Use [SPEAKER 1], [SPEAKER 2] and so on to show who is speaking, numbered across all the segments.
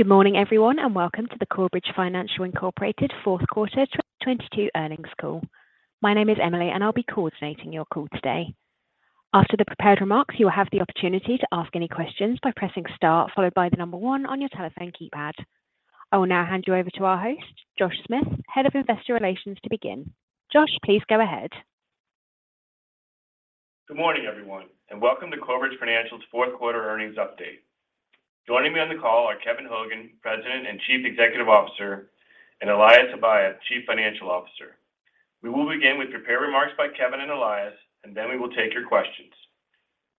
[SPEAKER 1] Good morning everyone, welcome to the Corebridge Financial, Inc. fourth quarter 2022 earnings call. My name is Emily, I'll be coordinating your call today. After the prepared remarks, you will have the opportunity to ask any questions by pressing star followed by the number one on your telephone keypad. I will now hand you over to our host, Josh Smith, Head of Investor Relations, to begin. Josh, please go ahead.
[SPEAKER 2] Good morning, everyone, welcome to Corebridge Financial's fourth quarter earnings update. Joining me on the call are Kevin Hogan, President and Chief Executive Officer, and Elias Habayeb, Chief Financial Officer. We will begin with prepared remarks by Kevin and Elias, then we will take your questions.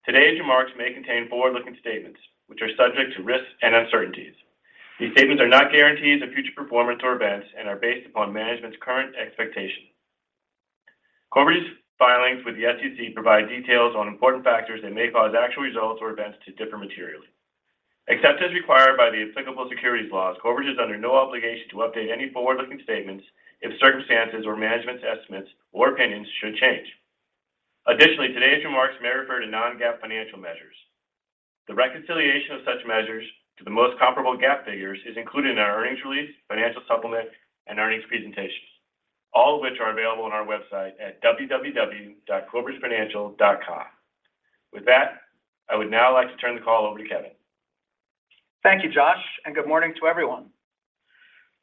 [SPEAKER 2] Today's remarks may contain forward-looking statements which are subject to risks and uncertainties. These statements are not guarantees of future performance or events and are based upon management's current expectation. Corebridge's filings with the SEC provide details on important factors that may cause actual results or events to differ materially. Except as required by the applicable securities laws, Corebridge is under no obligation to update any forward-looking statements if circumstances or management's estimates or opinions should change. Additionally, today's remarks may refer to non-GAAP financial measures. The reconciliation of such measures to the most comparable GAAP figures is included in our earnings release, financial supplement, and earnings presentation, all of which are available on our website at www.corebridgefinancial.com. With that, I would now like to turn the call over to Kevin.
[SPEAKER 3] Thank you, Josh, and good morning to everyone.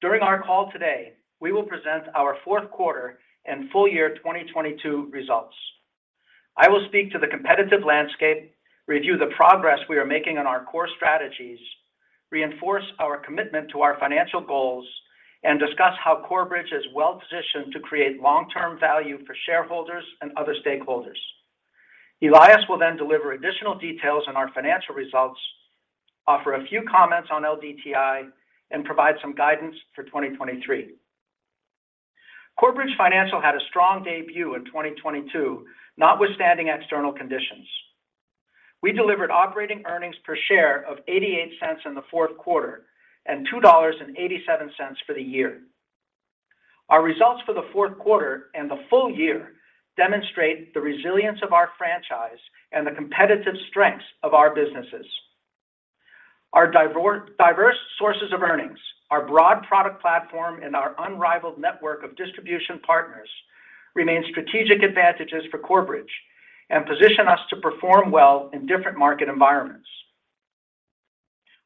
[SPEAKER 3] During our call today, we will present our fourth quarter and full year 2022 results. I will speak to the competitive landscape, review the progress we are making on our core strategies, reinforce our commitment to our financial goals, and discuss how Corebridge is well-positioned to create long-term value for shareholders and other stakeholders. Elias will then deliver additional details on our financial results, offer a few comments on LDTI, and provide some guidance for 2023. Corebridge Financial had a strong debut in 2022, notwithstanding external conditions. We delivered operating earnings per share of $0.88 in the fourth quarter and $2.87 for the year. Our results for the fourth quarter and the full year demonstrate the resilience of our franchise and the competitive strengths of our businesses. Our diverse sources of earnings, our broad product platform, and our unrivaled network of distribution partners remain strategic advantages for Corebridge and position us to perform well in different market environments.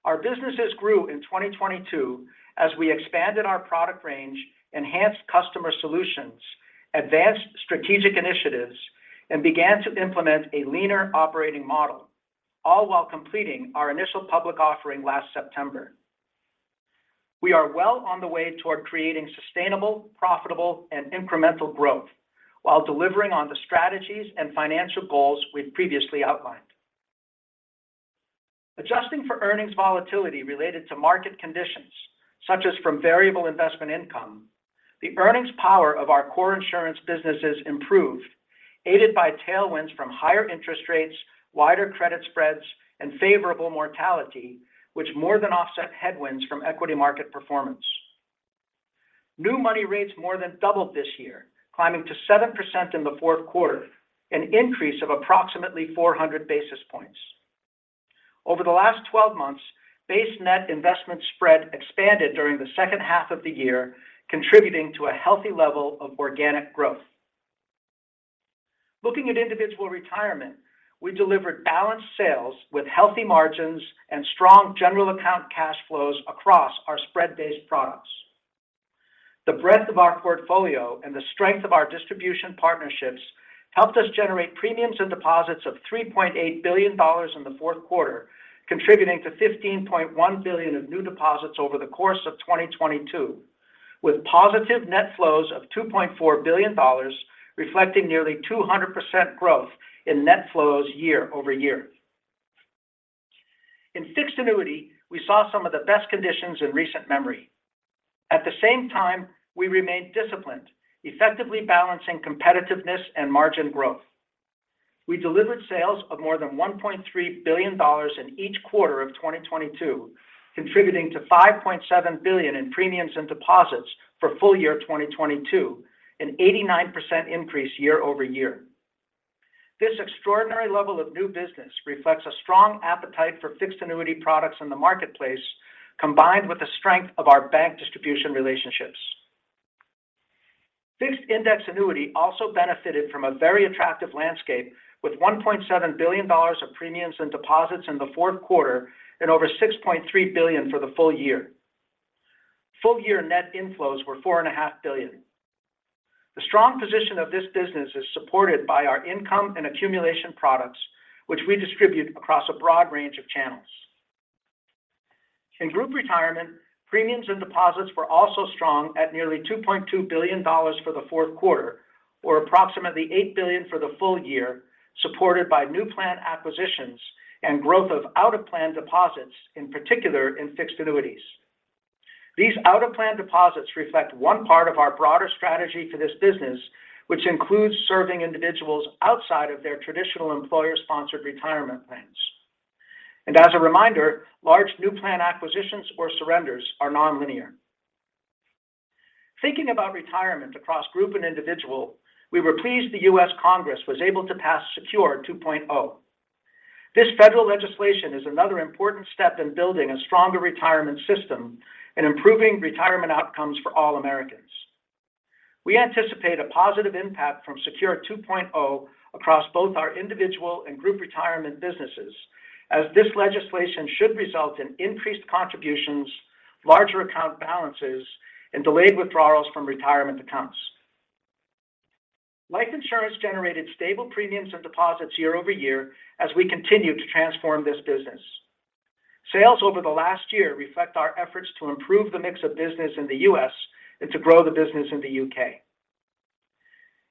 [SPEAKER 3] Our businesses grew in 2022 as we expanded our product range, enhanced customer solutions, advanced strategic initiatives, and began to implement a leaner operating model, all while completing our initial public offering last September. We are well on the way toward creating sustainable, profitable, and incremental growth while delivering on the strategies and financial goals we've previously outlined. Adjusting for earnings volatility related to market conditions, such as from variable investment income, the earnings power of our core insurance businesses improved, aided by tailwinds from higher interest rates, wider credit spreads, and favorable mortality, which more than offset headwinds from equity market performance. New money rates more than doubled this year, climbing to 7% in the fourth quarter, an increase of approximately 400 basis points. Over the last 12 months, base net investment spread expanded during the second half of the year, contributing to a healthy level of organic growth. Looking at individual retirement, we delivered balanced sales with healthy margins and strong general account cash flows across our spread-based products. The breadth of our portfolio and the strength of our distribution partnerships helped us generate premiums and deposits of $3.8 billion in the fourth quarter, contributing to $15.1 billion of new deposits over the course of 2022, with positive net flows of $2.4 billion, reflecting nearly 200% growth in net flows year-over-year. In fixed annuity, we saw some of the best conditions in recent memory. At the same time, we remained disciplined, effectively balancing competitiveness and margin growth. We delivered sales of more than $1.3 billion in each quarter of 2022, contributing to $5.7 billion in premiums and deposits for full year 2022, an 89% increase year-over-year. This extraordinary level of new business reflects a strong appetite for fixed annuity products in the marketplace, combined with the strength of our bank distribution relationships. fixed index annuity also benefited from a very attractive landscape with $1.7 billion of premiums and deposits in the fourth quarter and over $6.3 billion for the full year. Full year net inflows were $4.5 Billion. The strong position of this business is supported by our income and accumulation products, which we distribute across a broad range of channels. In group retirement, premiums and deposits were also strong at nearly $2.2 billion for the fourth quarter or approximately $8 billion for the full year, supported by new plan acquisitions and growth of out-of-plan deposits, in particular in fixed annuities. These out-of-plan deposits reflect one part of our broader strategy for this business, which includes serving individuals outside of their traditional employer-sponsored retirement plans. As a reminder, large new plan acquisitions or surrenders are nonlinear. Thinking about retirement across group and individual, we were pleased the U.S. Congress was able to pass SECURE 2.0. This federal legislation is another important step in building a stronger retirement system and improving retirement outcomes for all Americans. We anticipate a positive impact from SECURE 2.0 across both our individual and group retirement businesses, as this legislation should result in increased contributions, larger account balances, and delayed withdrawals from retirement accounts. Life insurance generated stable premiums and deposits year-over-year as we continue to transform this business. Sales over the last year reflect our efforts to improve the mix of business in the U.S. and to grow the business in the U.K.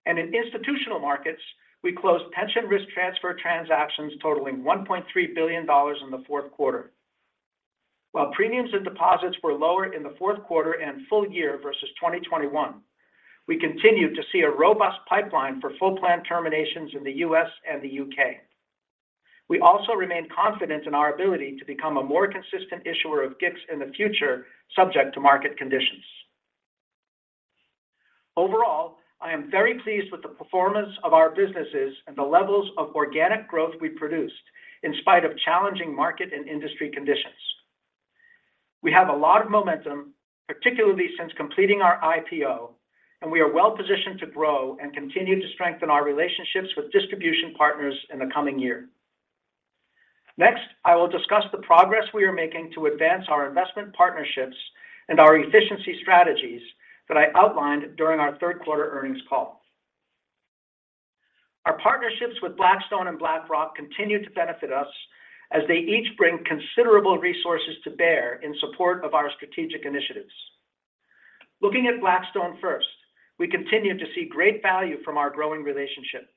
[SPEAKER 3] In institutional markets, we closed Pension Risk Transfer transactions totaling $1.3 billion in the fourth quarter. While premiums and deposits were lower in the fourth quarter and full year versus 2021, we continue to see a robust pipeline for full plan terminations in the U.S. and the U.K. We also remain confident in our ability to become a more consistent issuer of GICs in the future, subject to market conditions. Overall, I am very pleased with the performance of our businesses and the levels of organic growth we produced in spite of challenging market and industry conditions. We have a lot of momentum, particularly since completing our IPO, we are well positioned to grow and continue to strengthen our relationships with distribution partners in the coming year. Next, I will discuss the progress we are making to advance our investment partnerships and our efficiency strategies that I outlined during our third quarter earnings call. Our partnerships with Blackstone and BlackRock continue to benefit us as they each bring considerable resources to bear in support of our strategic initiatives. Looking at Blackstone first, we continue to see great value from our growing relationship.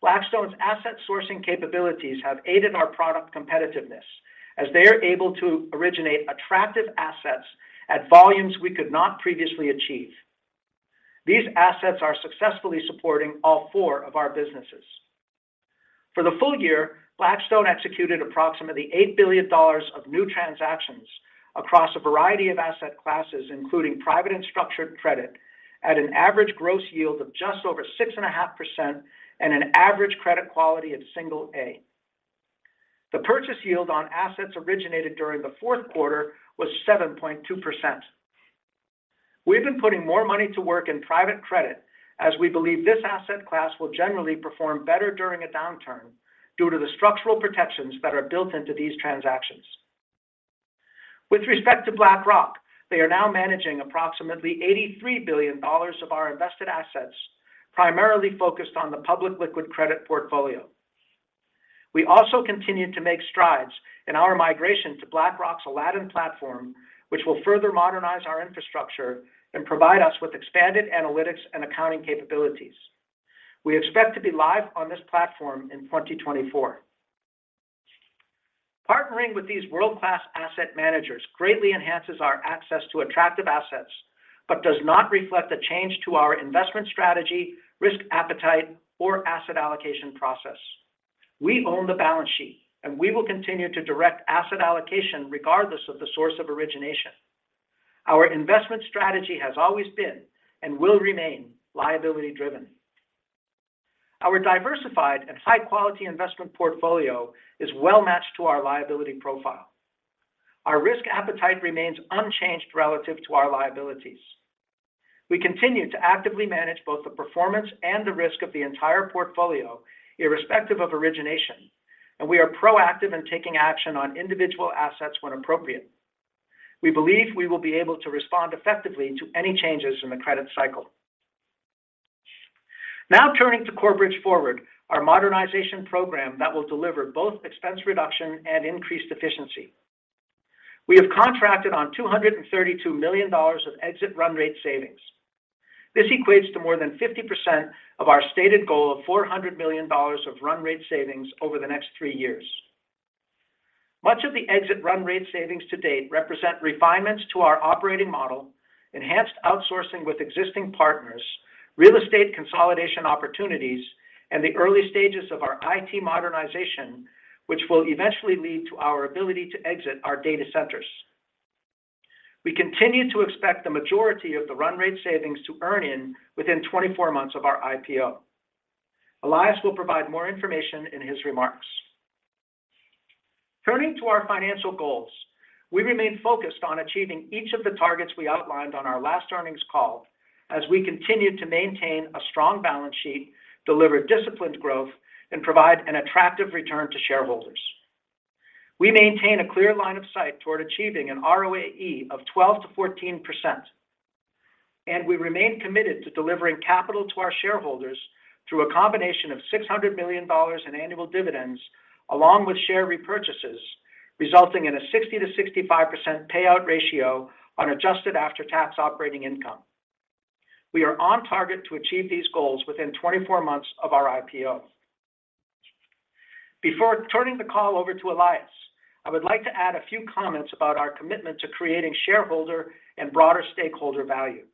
[SPEAKER 3] Blackstone's asset sourcing capabilities have aided our product competitiveness as they are able to originate attractive assets at volumes we could not previously achieve. These assets are successfully supporting all four of our businesses. For the full year, Blackstone executed approximately $8 billion of new transactions across a variety of asset classes, including private and structured credit, at an average gross yield of just over 6.5% and an average credit quality of single A. The purchase yield on assets originated during the fourth quarter was 7.2%. We've been putting more money to work in private credit, as we believe this asset class will generally perform better during a downturn due to the structural protections that are built into these transactions. With respect to BlackRock, they are now managing approximately $83 billion of our invested assets, primarily focused on the public liquid credit portfolio. We also continue to make strides in our migration to BlackRock's Aladdin platform, which will further modernize our infrastructure and provide us with expanded analytics and accounting capabilities. We expect to be live on this platform in 2024. Partnering with these world-class asset managers greatly enhances our access to attractive assets, but does not reflect a change to our investment strategy, risk appetite, or asset allocation process. We own the balance sheet, and we will continue to direct asset allocation regardless of the source of origination. Our investment strategy has always been, and will remain, liability driven. Our diversified and high-quality investment portfolio is well matched to our liability profile. Our risk appetite remains unchanged relative to our liabilities. We continue to actively manage both the performance and the risk of the entire portfolio, irrespective of origination, and we are proactive in taking action on individual assets when appropriate. We believe we will be able to respond effectively to any changes in the credit cycle. Now turning to Corebridge Forward, our modernization program that will deliver both expense reduction and increased efficiency. We have contracted on $232 million of exit run rate savings. This equates to more than 50% of our stated goal of $400 million of run rate savings over the next three years. Much of the exit run rate savings to date represent refinements to our operating model, enhanced outsourcing with existing partners, real estate consolidation opportunities, and the early stages of our IT modernization, which will eventually lead to our ability to exit our data centers. We continue to expect the majority of the run rate savings to earn in within 24 months of our IPO. Elias will provide more information in his remarks. Turning to our financial goals, we remain focused on achieving each of the targets we outlined on our last earnings call as we continue to maintain a strong balance sheet, deliver disciplined growth, and provide an attractive return to shareholders. We maintain a clear line of sight toward achieving an ROAE of 12%-14%, and we remain committed to delivering capital to our shareholders through a combination of $600 million in annual dividends along with share repurchases, resulting in a 60%-65% payout ratio on adjusted after-tax operating income. We are on target to achieve these goals within 24 months of our IPO. Before turning the call over to Elias, I would like to add a few comments about our commitment to creating shareholder and broader stakeholder value.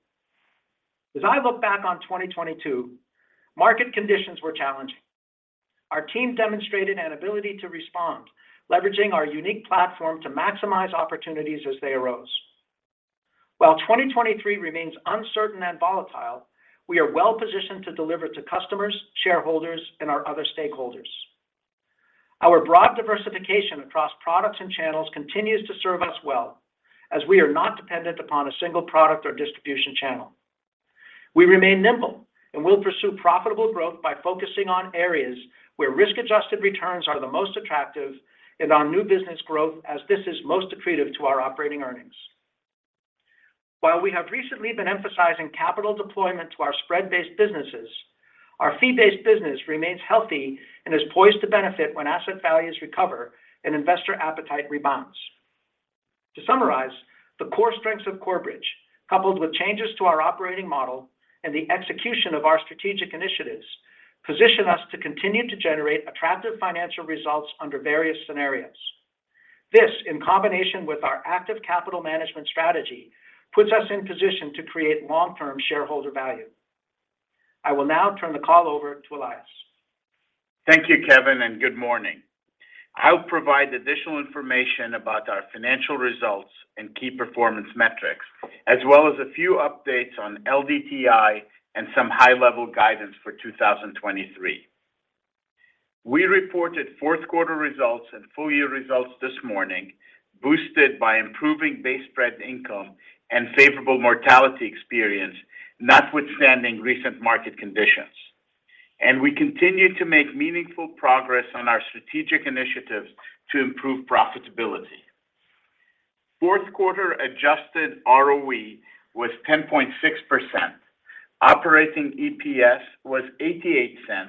[SPEAKER 3] As I look back on 2022, market conditions were challenging. Our team demonstrated an ability to respond, leveraging our unique platform to maximize opportunities as they arose. While 2023 remains uncertain and volatile, we are well-positioned to deliver to customers, shareholders, and our other stakeholders. Our broad diversification across products and channels continues to serve us well as we are not dependent upon a single product or distribution channel. We remain nimble, and we'll pursue profitable growth by focusing on areas where risk-adjusted returns are the most attractive and on new business growth as this is most accretive to our operating earnings. While we have recently been emphasizing capital deployment to our spread-based businesses, our fee-based business remains healthy and is poised to benefit when asset values recover and investor appetite rebounds. To summarize, the core strengths of Corebridge, coupled with changes to our operating model and the execution of our strategic initiatives, position us to continue to generate attractive financial results under various scenarios. This, in combination with our active capital management strategy, puts us in position to create long-term shareholder value. I will now turn the call over to Elias.
[SPEAKER 4] Thank you, Kevin. Good morning. I'll provide additional information about our financial results and key performance metrics, as well as a few updates on LDTI and some high-level guidance for 2023. We reported fourth quarter results and full year results this morning, boosted by improving base spread income and favorable mortality experience, notwithstanding recent market conditions. We continue to make meaningful progress on our strategic initiatives to improve profitability. Fourth quarter adjusted ROE was 10.6%. Operating EPS was $0.88,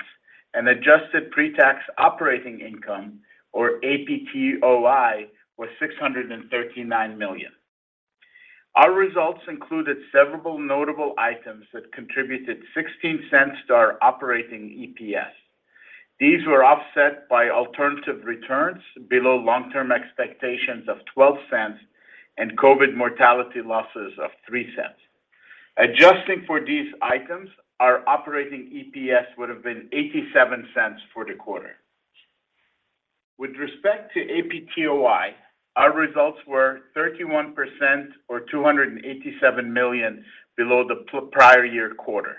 [SPEAKER 4] and Adjusted Pre-Tax Operating Income, or APTOI, was $639 million. Our results included several notable items that contributed $0.16 to our operating EPS. These were offset by alternative returns below long-term expectations of $0.12 and COVID mortality losses of $0.03. Adjusting for these items, our operating EPS would have been $0.87 for the quarter. With respect to APTOI, our results were 31% or $287 million below the prior year quarter.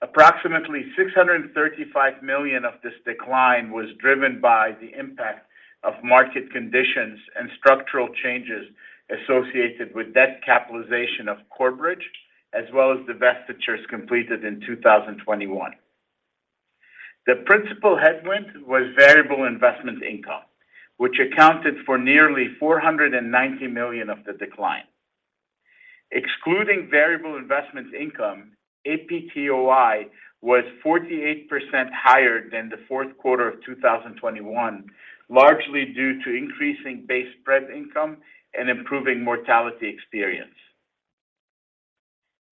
[SPEAKER 4] Approximately $635 million of this decline was driven by the impact of market conditions and structural changes associated with debt capitalization of Corebridge, as well as divestitures completed in 2021. The principal headwind was variable investment income, which accounted for nearly $490 million of the decline. Excluding variable investments income, APTOI was 48% higher than the fourth quarter of 2021, largely due to increasing base spread income and improving mortality experience.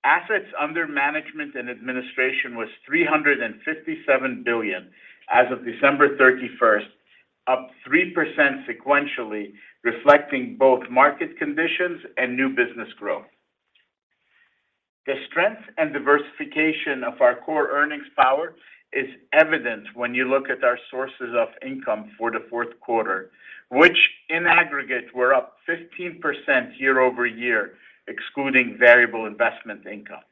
[SPEAKER 4] Assets under management and administration was $357 billion as of December 31st, up 3% sequentially, reflecting both market conditions and new business growth. The strength and diversification of our Corebridge earnings power is evident when you look at our sources of income for the fourth quarter, which in aggregate were up 15% year-over-year, excluding variable investment income.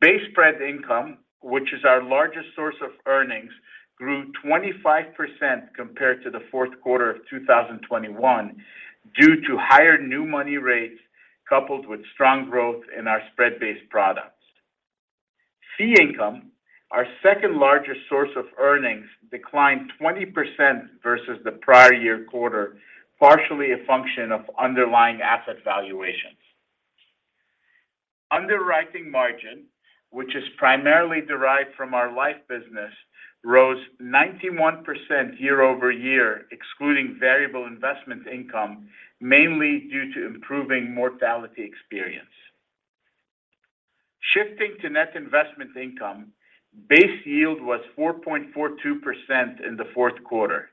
[SPEAKER 4] Base spread income, which is our largest source of earnings, grew 25% compared to the fourth quarter of 2021 due to higher new money rates coupled with strong growth in our spread-based products. Fee income, our second-largest source of earnings, declined 20% versus the prior year quarter, partially a function of underlying asset valuations. Underwriting margin, which is primarily derived from our life business, rose 91% year-over-year, excluding variable investment income, mainly due to improving mortality experience. Shifting to net investment income, base yield was 4.42% in the fourth quarter.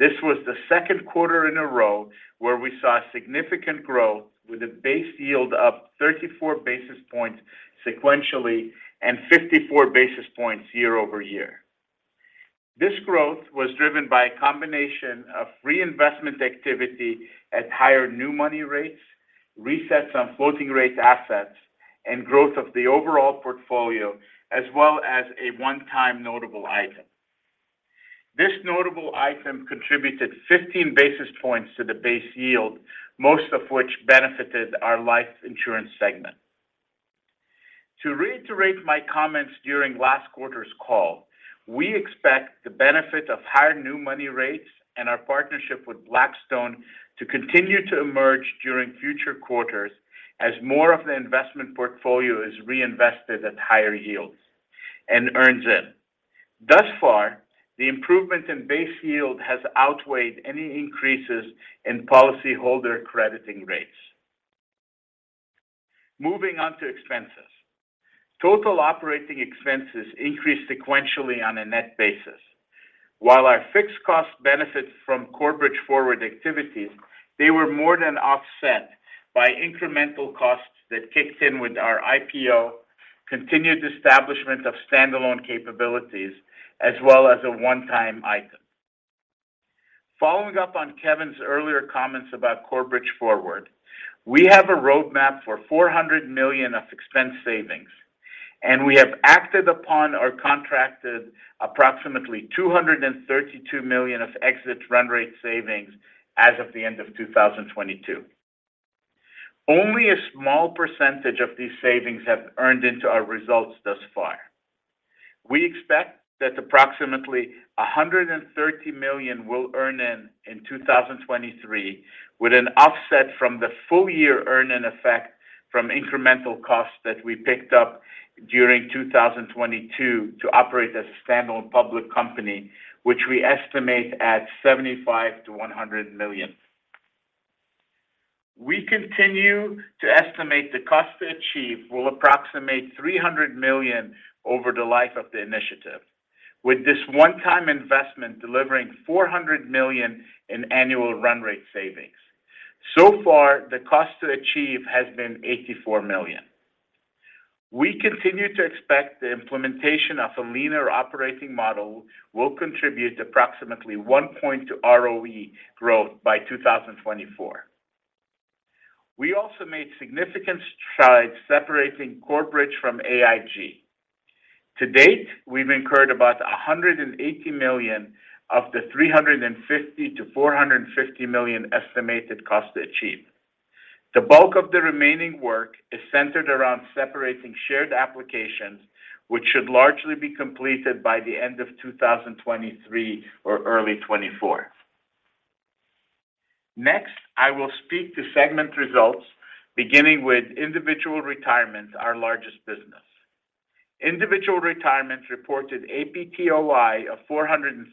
[SPEAKER 4] This was the second quarter in a row where we saw significant growth with a base yield up 34 basis points sequentially and 54 basis points year-over-year. This growth was driven by a combination of reinvestment activity at higher new money rates, resets on floating rate assets, and growth of the overall portfolio, as well as a one-time notable item. This notable item contributed 15 basis points to the base yield, most of which benefited our life insurance segment. To reiterate my comments during last quarter's call, we expect the benefit of higher new money rates and our partnership with Blackstone to continue to emerge during future quarters as more of the investment portfolio is reinvested at higher yields and earns in. Thus far, the improvement in base yield has outweighed any increases in policyholder crediting rates. Moving on to expenses. Total operating expenses increased sequentially on a net basis. While our fixed cost benefits from Corebridge Forward activities, they were more than offset by incremental costs that kicked in with our IPO, continued establishment of standalone capabilities, as well as a one-time item. Following up on Kevin's earlier comments about Corebridge Forward, we have a roadmap for $400 million of expense savings, and we have acted upon or contracted approximately $232 million of exit run rate savings as of the end of 2022. Only a small percentage of these savings have earned into our results thus far. We expect that approximately $130 million will earn in in 2023, with an offset from the full year earn in effect from incremental costs that we picked up during 2022 to operate as a standalone public company, which we estimate at $75 million-$100 million. We continue to estimate the cost to achieve will approximate $300 million over the life of the initiative, with this one-time investment delivering $400 million in annual run rate savings. The cost to achieve has been $84 million. We continue to expect the implementation of a leaner operating model will contribute approximately one point to ROE growth by 2024. We also made significant strides separating Corebridge from AIG. To date, we've incurred about $180 million of the $350 million-$450 million estimated cost to achieve. The bulk of the remaining work is centered around separating shared applications, which should largely be completed by the end of 2023 or early 2024. I will speak to segment results, beginning with Individual Retirement, our largest business. Individual Retirement reported APTOI of $436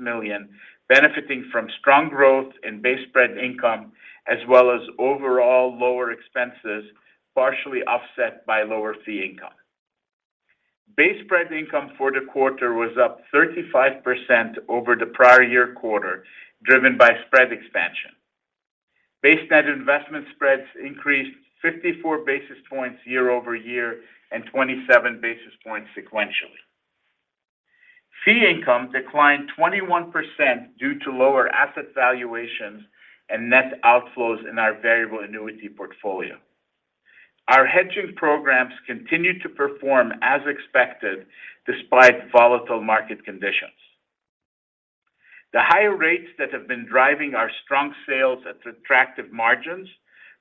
[SPEAKER 4] million, benefiting from strong growth in base spread income as well as overall lower expenses, partially offset by lower fee income. Base spread income for the quarter was up 35% over the prior year quarter, driven by spread expansion. Based net investment spreads increased 54 basis points year-over-year and 27 basis points sequentially. Fee income declined 21% due to lower asset valuations and net outflows in our variable annuity portfolio. Our hedging programs continued to perform as expected despite volatile market conditions. The higher rates that have been driving our strong sales at attractive margins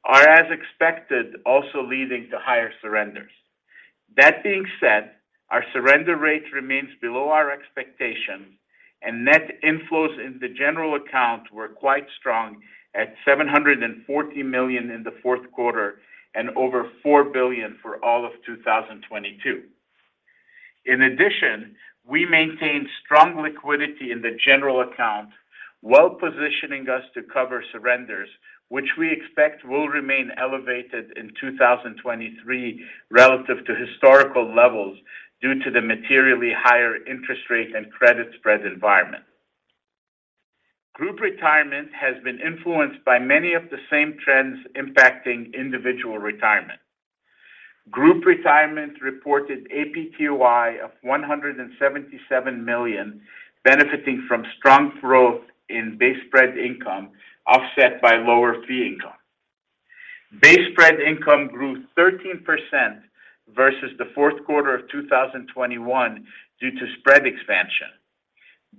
[SPEAKER 4] are, as expected, also leading to higher surrenders. That being said, our surrender rate remains below our expectations, and net inflows in the general account were quite strong at $740 million in the fourth quarter and over $4 billion for all of 2022. In addition, we maintain strong liquidity in the general account, well-positioning us to cover surrenders, which we expect will remain elevated in 2023 relative to historical levels due to the materially higher interest rate and credit spread environment. Group Retirement has been influenced by many of the same trends impacting Individual Retirement. Group Retirement reported APTOI of $177 million, benefiting from strong growth in base spread income offset by lower fee income. Base spread income grew 13% versus the fourth quarter of 2021 due to spread expansion.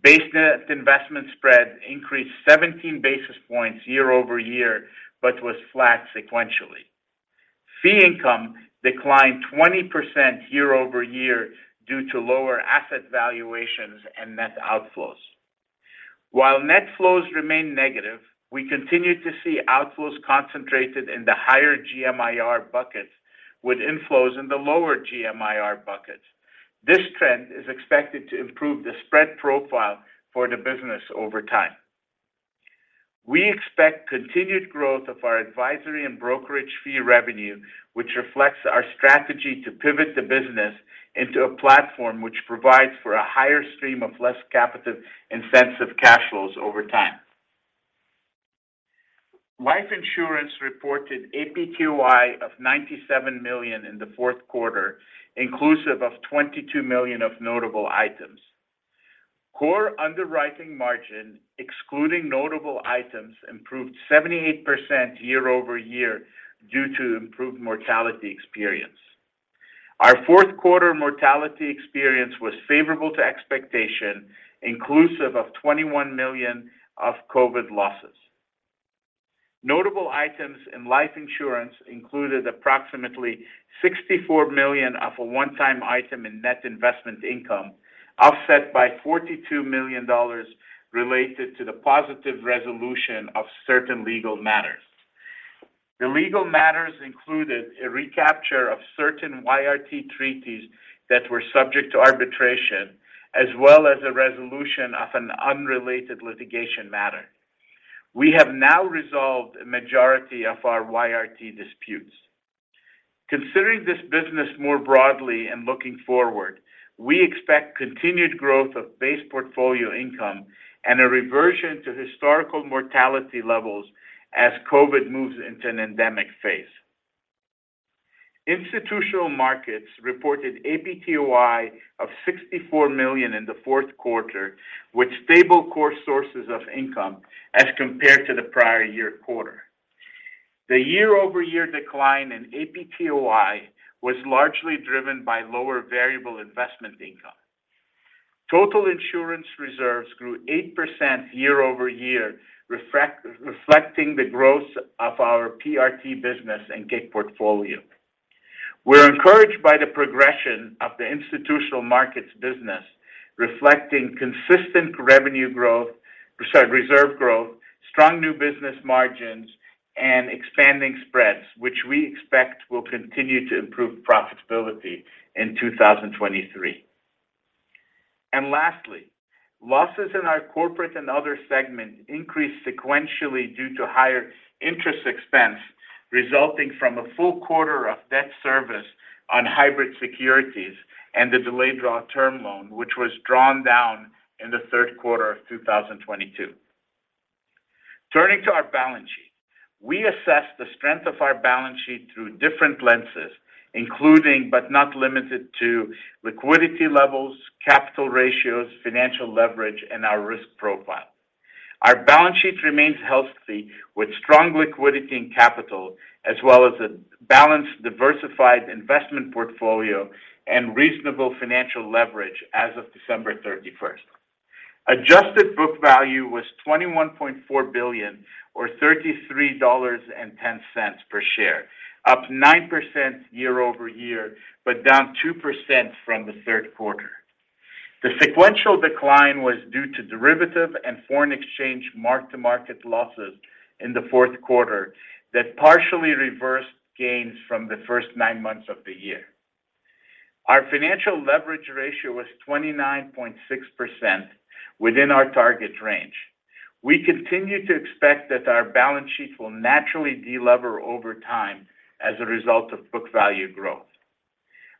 [SPEAKER 4] Based net investment spread increased 17 basis points year-over-year but was flat sequentially. Fee income declined 20% year-over-year due to lower asset valuations and net outflows. While net flows remain negative, we continue to see outflows concentrated in the higher GMIR buckets with inflows in the lower GMIR buckets. This trend is expected to improve the spread profile for the business over time. We expect continued growth of our advisory and brokerage fee revenue, which reflects our strategy to pivot the business into a platform which provides for a higher stream of less capital intensive cash flows over time. Life insurance reported APTOI of $97 million in the fourth quarter, inclusive of $22 million of notable items. Core underwriting margin, excluding notable items, improved 78% year-over-year due to improved mortality experience. Our fourth quarter mortality experience was favorable to expectation, inclusive of $21 million of COVID losses. Notable items in life insurance included approximately $64 million of a one-time item in net investment income, offset by $42 million related to the positive resolution of certain legal matters. The legal matters included a recapture of certain YRT treaties that were subject to arbitration, as well as a resolution of an unrelated litigation matter. We have now resolved a majority of our YRT disputes. Considering this business more broadly and looking forward, we expect continued growth of base portfolio income and a reversion to historical mortality levels as COVID moves into an endemic phase. Institutional markets reported APTOI of $64 million in the fourth quarter, with stable core sources of income as compared to the prior year quarter. The year-over-year decline in APTOI was largely driven by lower variable investment income. Total insurance reserves grew 8% year-over-year, reflecting the growth of our PRT business and GIC portfolio. We're encouraged by the progression of the institutional markets business, reflecting consistent revenue growth, sorry, reserve growth, strong new business margins, and expanding spreads, which we expect will continue to improve profitability in 2023. Lastly, losses in our corporate and other segment increased sequentially due to higher interest expense resulting from a full quarter of debt service on hybrid securities and the delayed draw term loan, which was drawn down in the third quarter of 2022. Turning to our balance sheet. We assess the strength of our balance sheet through different lenses, including, but not limited to, liquidity levels, capital ratios, financial leverage, and our risk profile. Our balance sheet remains healthy with strong liquidity and capital, as well as a balanced, diversified investment portfolio and reasonable financial leverage as of December 31st. Adjusted book value was $21.4 billion or $33.10 per share, up 9% year-over-year, but down 2% from the third quarter. The sequential decline was due to derivative and foreign exchange mark-to-market losses in the fourth quarter that partially reversed gains from the first nine months of the year. Our financial leverage ratio was 29.6% within our target range. We continue to expect that our balance sheet will naturally delever over time as a result of book value growth.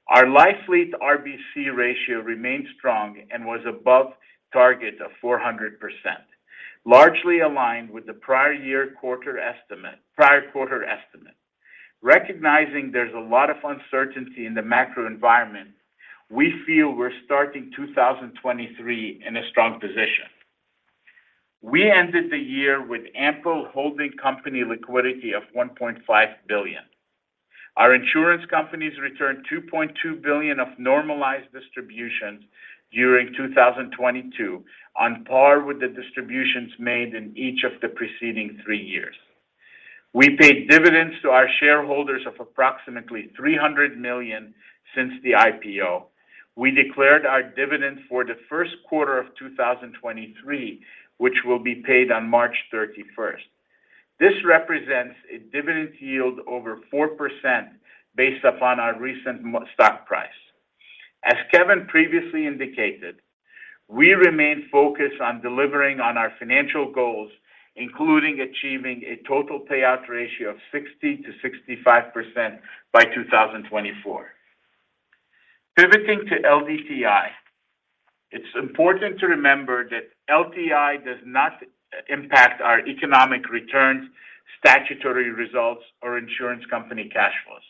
[SPEAKER 4] Our life fleet RBC ratio remains strong and was above target of 400%, largely aligned with the prior year quarter estimate. Recognizing there's a lot of uncertainty in the macro environment, we feel we're starting 2023 in a strong position. We ended the year with ample holding company liquidity of $1.5 billion. Our insurance companies returned $2.2 billion of normalized distributions during 2022 on par with the distributions made in each of the preceding three years. We paid dividends to our shareholders of approximately $300 million since the IPO. We declared our dividend for the first quarter of 2023, which will be paid on March 31st. This represents a dividend yield over 4% based upon our recent stock price. As Kevin previously indicated, we remain focused on delivering on our financial goals, including achieving a total payout ratio of 60%-65% by 2024. Pivoting to LDTI, it's important to remember that LDTI does not impact our economic returns, statutory results, or insurance company cash flows.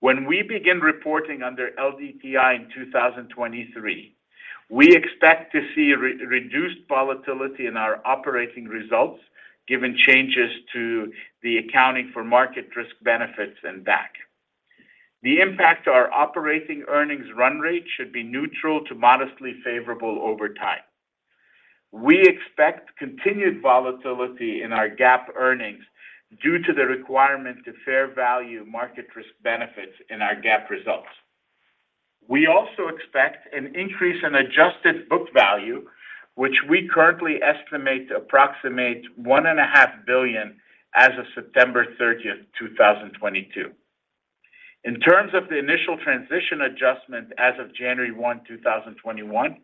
[SPEAKER 4] When we begin reporting under LDTI in 2023, we expect to see reduced volatility in our operating results given changes to the accounting for market risk benefits and back. The impact to our operating earnings run rate should be neutral to modestly favorable over time. We expect continued volatility in our GAAP earnings due to the requirement to fair value market risk benefits in our GAAP results. We also expect an increase in adjusted book value, which we currently estimate to approximate $1.5 Billion as of September 30th, 2022. In terms of the initial transition adjustment as of January 1, 2021,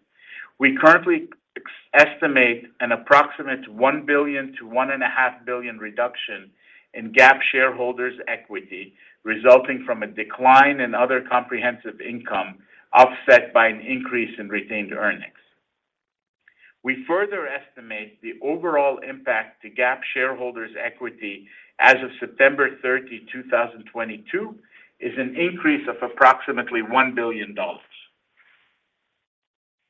[SPEAKER 4] we currently estimate an approximate $1 billion-$1.5 billion reduction in GAAP shareholders' equity resulting from a decline in other comprehensive income offset by an increase in retained earnings. We further estimate the overall impact to GAAP shareholders' equity as of September 30, 2022, is an increase of approximately $1 billion.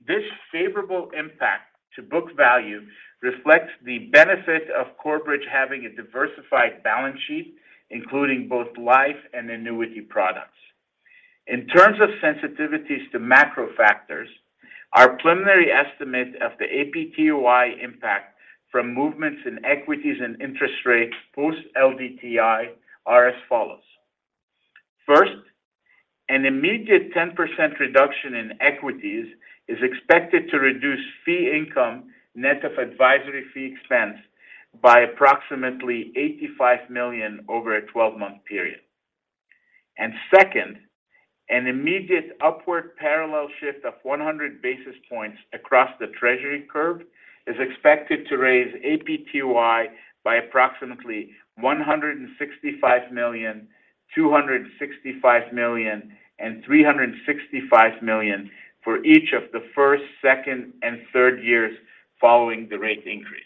[SPEAKER 4] This favorable impact to book value reflects the benefit of Corebridge having a diversified balance sheet, including both life and annuity products. In terms of sensitivities to macro factors, our preliminary estimate of the APTOI impact from movements in equities and interest rates post-LDTI are as follows. First, an immediate 10% reduction in equities is expected to reduce fee income net of advisory fee expense by approximately $85 million over a 12-month period. Second, an immediate upward parallel shift of 100 basis points across the treasury curve is expected to raise APTOI by approximately $165 million, $265 million, and $365 million for each of the first, second and third years following the rate increase.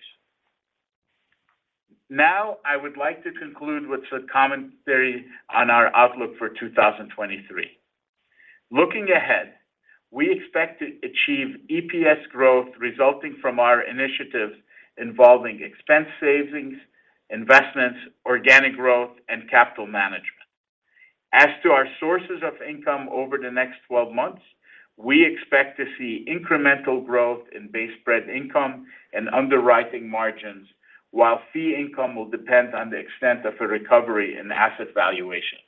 [SPEAKER 4] I would like to conclude with some commentary on our outlook for 2023. Looking ahead, we expect to achieve EPS growth resulting from our initiatives involving expense savings, investments, organic growth, and capital management. As to our sources of income over the next 12 months, we expect to see incremental growth in base spread income and underwriting margins while fee income will depend on the extent of a recovery in asset valuations.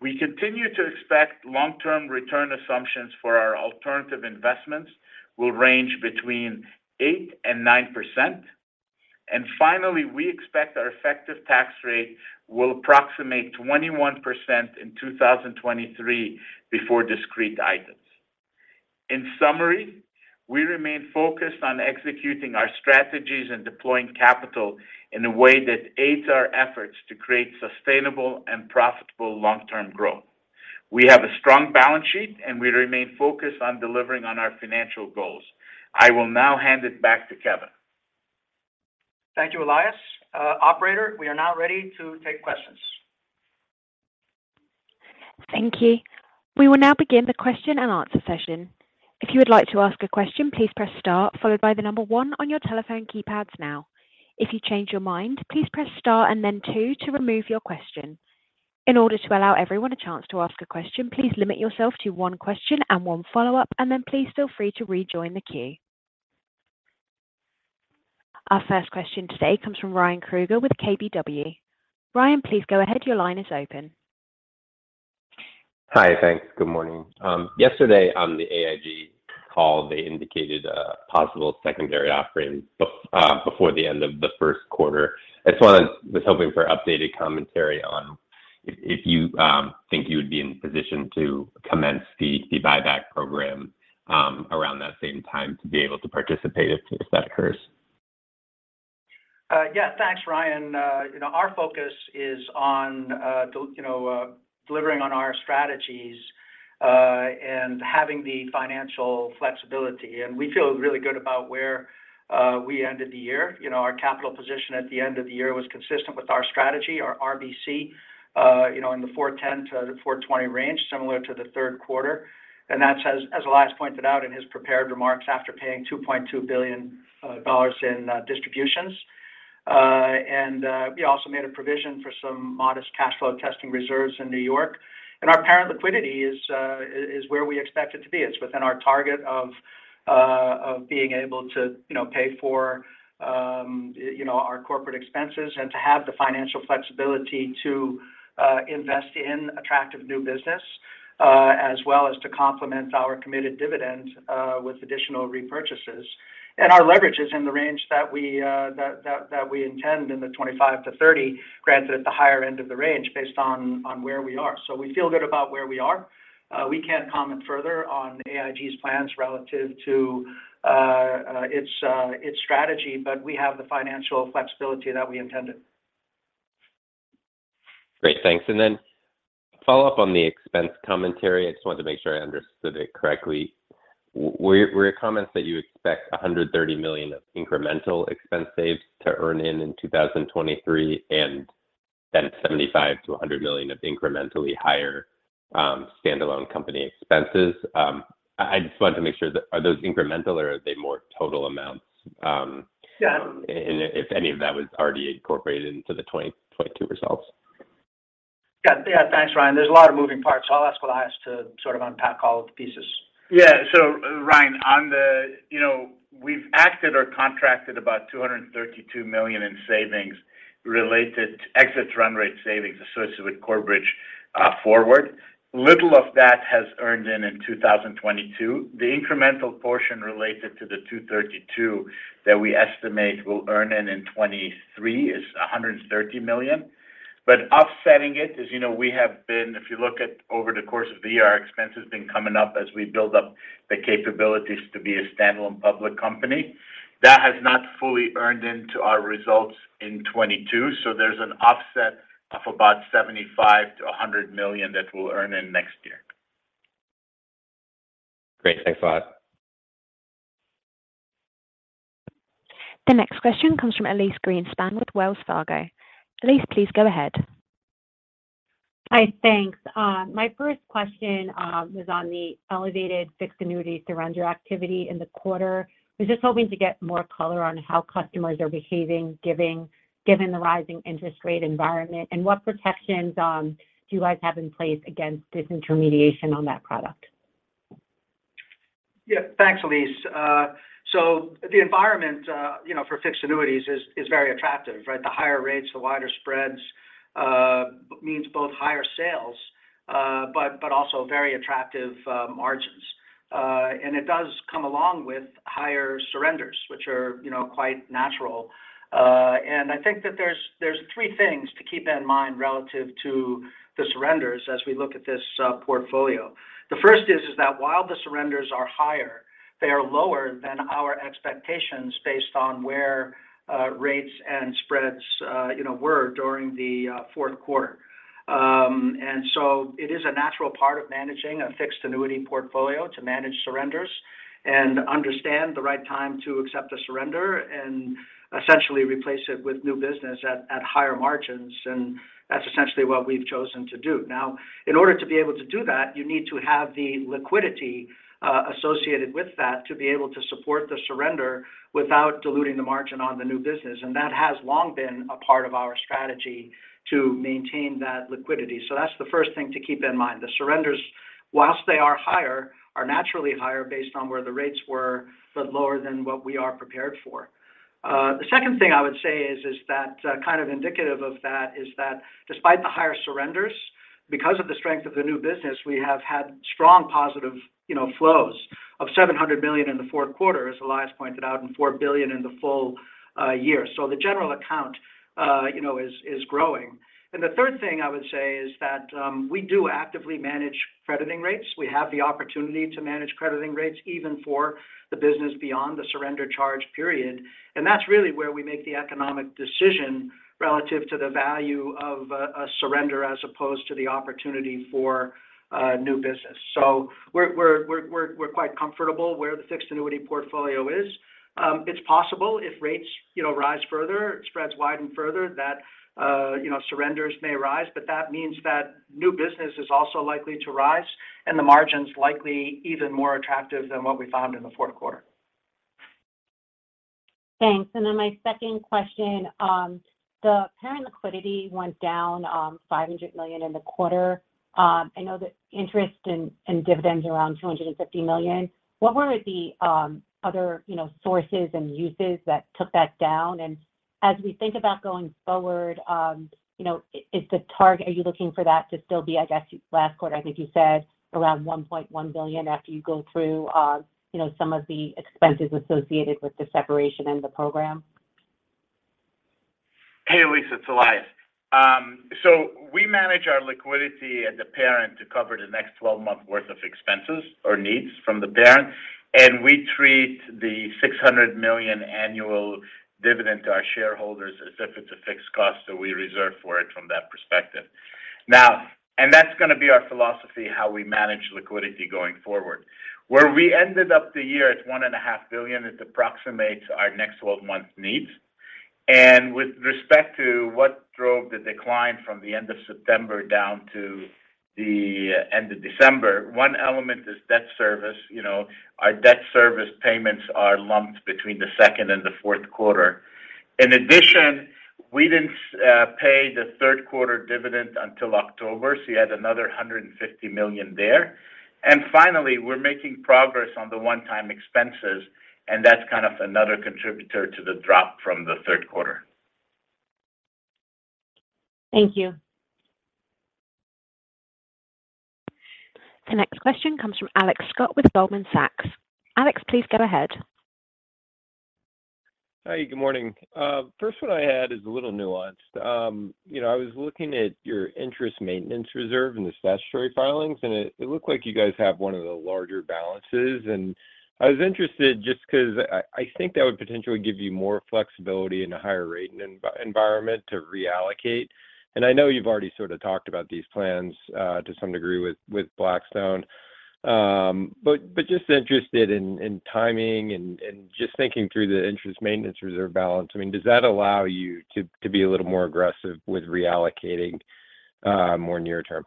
[SPEAKER 4] We continue to expect long-term return assumptions for our alternative investments will range between 8% and 9%. Finally, we expect our effective tax rate will approximate 21% in 2023 before discrete items. In summary, we remain focused on executing our strategies and deploying capital in a way that aids our efforts to create sustainable and profitable long-term growth. We have a strong balance sheet, and we remain focused on delivering on our financial goals. I will now hand it back to Kevin.
[SPEAKER 3] Thank you, Elias. Operator, we are now ready to take questions.
[SPEAKER 1] Thank you. We will now begin the question and answer session. If you would like to ask a question, please press star followed by one on your telephone keypads now. If you change your mind, please press star and then two to remove your question. In order to allow everyone a chance to ask a question, please limit yourself to one question and one follow-up, and then please feel free to rejoin the queue. Our first question today comes from Ryan Krueger with KBW. Ryan, please go ahead. Your line is open.
[SPEAKER 5] Hi. Thanks. Good morning. Yesterday on the AIG call, they indicated a possible secondary offering before the end of the first quarter. Was hoping for updated commentary on if you think you would be in position to commence the buyback program around that same time to be able to participate if that occurs?
[SPEAKER 3] Yeah. Thanks, Ryan. You know, our focus is on the, you know, delivering on our strategies and having the financial flexibility. We feel really good about where we ended the year. You know, our capital position at the end of the year was consistent with our strategy, our RBC in the 410-420 range, similar to the third quarter. That's as Elias pointed out in his prepared remarks after paying $2.2 billion in distributions. We also made a provision for some modest cash flow testing reserves in New York. Our parent liquidity is where we expect it to be. It's within our target of being able to pay for our corporate expenses and to have the financial flexibility to invest in attractive new business as well as to complement our committed dividend with additional repurchases. Our leverage is in the range that we intend in the 25-30, granted at the higher end of the range based on where we are. We feel good about where we are. We can't comment further on AIG's plans relative to its strategy, but we have the financial flexibility that we intended.
[SPEAKER 5] Great. Thanks. Then follow up on the expense commentary. I just wanted to make sure I understood it correctly. Were your comments that you expect $130 million of incremental expense saves to earn in 2023 and then $75 million-$100 million of incrementally higher standalone company expenses? I just wanted to make sure that are those incremental or are they more total amounts?
[SPEAKER 3] Yeah.
[SPEAKER 5] If any of that was already incorporated into the 2022 results?
[SPEAKER 3] Yeah. Thanks, Ryan. There's a lot of moving parts. I'll ask Elias to sort of unpack all of the pieces.
[SPEAKER 4] Yeah. Ryan, on the, you know, we've acted or contracted about $232 million in savings related to exit run rate savings associated with Corebridge Forward. Little of that has earned in in 2022. The incremental portion related to the $232 million that we estimate will earn in in 2023 is $130 million. Offsetting it, as you know, we have been, if you look at over the course of the year, our expense has been coming up as we build up the capabilities to be a standalone public company. That has not fully earned into our results in 2022, so there's an offset of about $75 million-$100 million that we'll earn in next year.
[SPEAKER 5] Great. Thanks a lot.
[SPEAKER 1] The next question comes from Elyse Greenspan with Wells Fargo. Elyse, please go ahead.
[SPEAKER 6] Hi. Thanks. My first question was on the elevated fixed annuity surrender activity in the quarter. I was just hoping to get more color on how customers are behaving given the rising interest rate environment, and what protections do you guys have in place against disintermediation on that product?
[SPEAKER 3] Thanks, Elyse. So the environment, you know, for fixed annuities is very attractive, right? The higher rates, the wider spreads, means both higher sales, but also very attractive margins. And it does come along with higher surrenders, which are, you know, quite natural. And I think that there's three things to keep in mind relative to the surrenders as we look at this portfolio. The first is that while the surrenders are higher, they are lower than our expectations based on where rates and spreads, you know, were during the fourth quarter. It is a natural part of managing a fixed annuity portfolio to manage surrenders and understand the right time to accept a surrender and essentially replace it with new business at higher margins, and that's essentially what we've chosen to do. Now, in order to be able to do that, you need to have the liquidity associated with that to be able to support the surrender without diluting the margin on the new business, and that has long been a part of our strategy to maintain that liquidity. That's the first thing to keep in mind. The surrenders, whilst they are higher, are naturally higher based on where the rates were, but lower than what we are prepared for. The second thing I would say is that kind of indicative of that is that despite the higher surrenders, because of the strength of the new business, we have had strong positive, you know, flows of $700 million in the fourth quarter, as Elias pointed out, and $4 billion in the full year. The general account, you know, is growing. The third thing I would say is that we do actively manage crediting rates. We have the opportunity to manage crediting rates even for the business beyond the surrender charge period. That's really where we make the economic decision relative to the value of a surrender as opposed to the opportunity for new business. We're quite comfortable where the fixed annuity portfolio is. It's possible if rates, you know, rise further, spreads widen further, that, you know, surrenders may rise. That means that new business is also likely to rise and the margins likely even more attractive than what we found in the fourth quarter.
[SPEAKER 6] Thanks. Then my second question, the parent liquidity went down, $500 million in the quarter. I know that interest and dividends around $250 million. What were the, you know, other sources and uses that took that down? As we think about going forward, you know, is the target are you looking for that to still be, I guess, last quarter, I think you said around $1.1 billion after you go through, you know, some of the expenses associated with the separation and the program?
[SPEAKER 4] Hey, Elyse, it's Elias. We manage our liquidity at the parent to cover the next 12-month worth of expenses or needs from the parent. We treat the $600 million annual dividend to our shareholders as if it's a fixed cost, so we reserve for it from that perspective. That's gonna be our philosophy, how we manage liquidity going forward. Where we ended up the year at $1.5 billion, it approximates our next 12 months needs. With respect to what drove the decline from the end of September down to the end of December, one element is debt service. You know, our debt service payments are lumped between the second and the fourth quarter. In addition, we didn't pay the third quarter dividend until October, so you add another $150 million there. Finally, we're making progress on the one-time expenses, and that's kind of another contributor to the drop from the third quarter.
[SPEAKER 6] Thank you.
[SPEAKER 1] The next question comes from Alex Scott with Goldman Sachs. Alex, please go ahead.
[SPEAKER 7] Hi, good morning. First one I had is a little nuanced. You know, I was looking at your Interest Maintenance Reserve in the statutory filings, and it looked like you guys have one of the larger balances. I was interested just 'cause I think that would potentially give you more flexibility in a higher rate environment to reallocate. I know you've already sort of talked about these plans to some degree with Blackstone. Just interested in timing and just thinking through the Interest Maintenance Reserve balance. I mean, does that allow you to be a little more aggressive with reallocating more near term?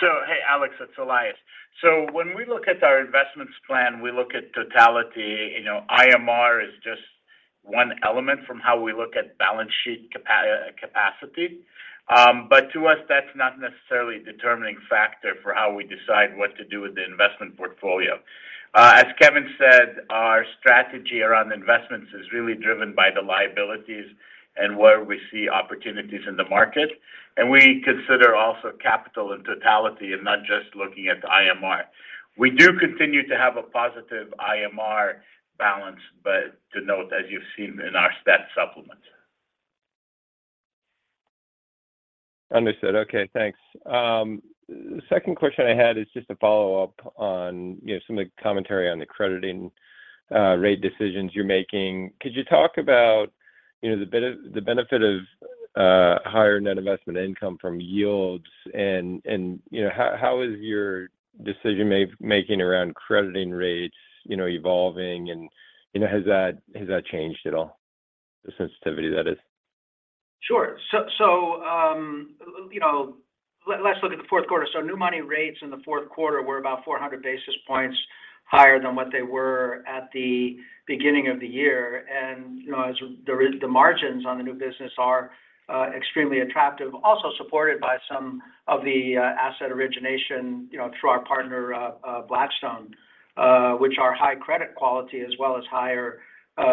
[SPEAKER 4] Hey, Alex, it's Elias. When we look at our investments plan, we look at totality. You know, IMR is just one element from how we look at balance sheet capacity. To us, that's not necessarily a determining factor for how we decide what to do with the investment portfolio. As Kevin said, our strategy around investments is really driven by the liabilities and where we see opportunities in the market. We consider also capital in totality and not just looking at the IMR. We do continue to have a positive IMR balance, but to note, as you've seen in our stat supplement.
[SPEAKER 7] Understood. Okay, thanks. The second question I had is just a follow-up on, you know, some of the commentary on the crediting rate decisions you're making. Could you talk about, you know, the benefit of higher net investment income from yields and, you know, how is your decision making around crediting rates, you know, evolving and, you know, has that changed at all? The sensitivity, that is.
[SPEAKER 3] Sure. You know, let's look at the fourth quarter. New money rates in the fourth quarter were about 400 basis points higher than what they were at the beginning of the year. You know, as the margins on the new business are extremely attractive, also supported by some of the asset origination, you know, through our partner, Blackstone. Which are high credit quality as well as higher,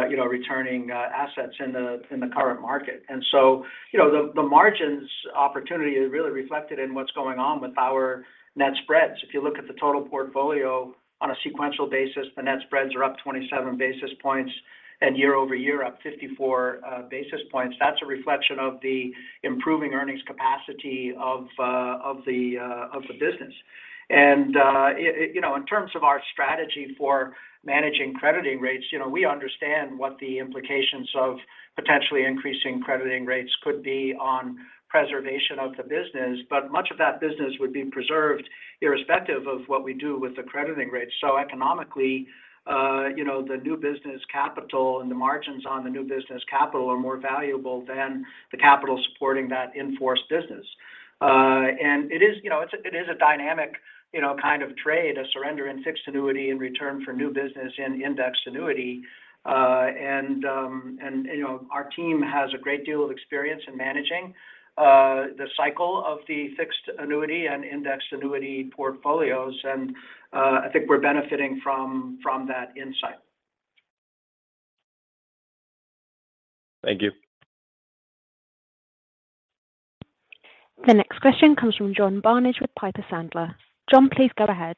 [SPEAKER 3] you know, returning assets in the current market. You know, the margins opportunity is really reflected in what's going on with our net spreads. If you look at the total portfolio on a sequential basis, the net spreads are up 27 basis points and year-over-year up 54 basis points. That's a reflection of the improving earnings capacity of the business. You know, in terms of our strategy for managing crediting rates, you know, we understand what the implications of potentially increasing crediting rates could be on preservation of the business. Much of that business would be preserved irrespective of what we do with the crediting rates. Economically, you know, the new business capital and the margins on the new business capital are more valuable than the capital supporting that in-force business. It is, you know, it is a dynamic, you know, kind of trade, a surrender in fixed annuity in return for new business in indexed annuity. You know, our team has a great deal of experience in managing the cycle of the fixed annuity and indexed annuity portfolios. I think we're benefiting from that insight.
[SPEAKER 7] Thank you.
[SPEAKER 1] The next question comes from John Barnidge with Piper Sandler. John, please go ahead.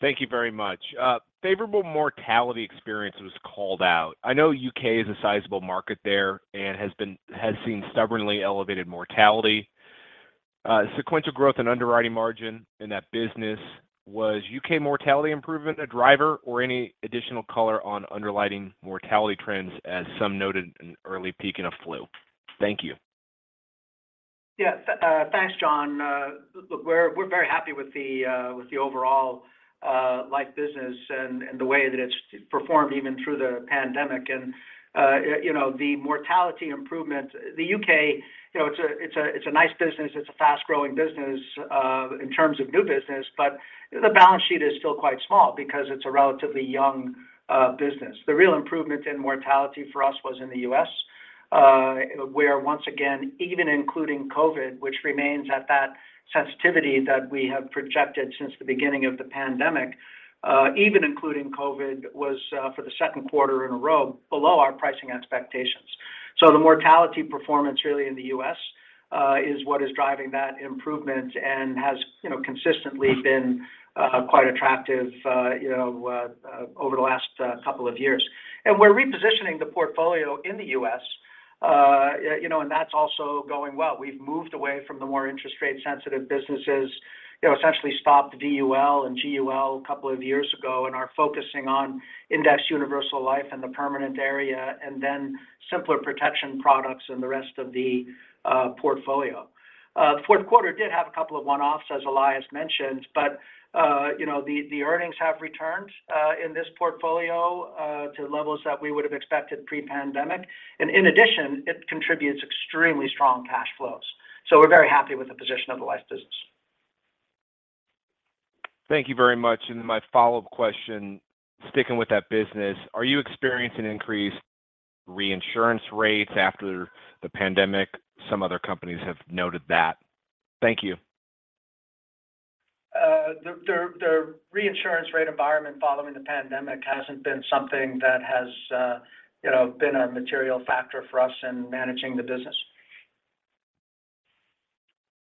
[SPEAKER 8] Thank you very much. Favorable mortality experience was called out. I know U.K. is a sizable market there and has seen stubbornly elevated mortality. Sequential growth and underwriting margin in that business, was U.K. mortality improvement a driver or any additional color on underlying mortality trends as some noted an early peak in a flu? Thank you.
[SPEAKER 3] Yeah. thanks, John. look, we're very happy with the overall life business and the way that it's performed even through the pandemic. you know, the mortality improvement, the U.K., you know, it's a nice business. It's a fast-growing business in terms of new business, but the balance sheet is still quite small because it's a relatively young business. The real improvement in mortality for us was in the U.S., where once again, even including COVID, which remains at that sensitivity that we have projected since the beginning of the pandemic, even including COVID, was for the second quarter in a row below our pricing expectations. The mortality performance really in the U.S., is what is driving that improvement and has, you know, consistently been quite attractive, you know, over the last couple of years. We're repositioning the portfolio in the U.S., you know, and that's also going well. We've moved away from the more interest rate sensitive businesses, you know, essentially stopped DUL and GUL a couple of years ago and are focusing on index universal life in the permanent area and then simpler protection products in the rest of the portfolio. The fourth quarter did have a couple of one-offs, as Elias mentioned, you know, the earnings have returned in this portfolio to levels that we would have expected pre-pandemic. In addition, it contributes extremely strong cash flows. We're very happy with the position of the life business.
[SPEAKER 8] Thank you very much. My follow-up question, sticking with that business, are you experiencing increased reinsurance rates after the pandemic? Some other companies have noted that. Thank you.
[SPEAKER 3] The reinsurance rate environment following the pandemic hasn't been something that has, you know, been a material factor for us in managing the business.